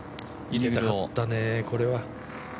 入れたかったね、これを。